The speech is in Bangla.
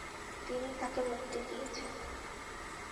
তিনি তাকে মুক্তি দিয়েছেন।